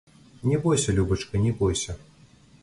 Не бойся, любачка, не бойся!